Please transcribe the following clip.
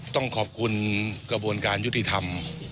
ต้องขอบคุณกระบวนการยุติธรรม